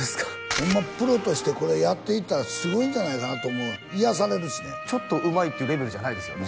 ホンマプロとしてこれやっていったらすごいんじゃないかなと思う癒やされるしねちょっとうまいっていうレベルじゃないですよね